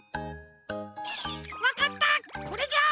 わかったこれじゃあ！